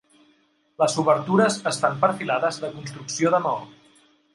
Les obertures estan perfilades de construcció de maó.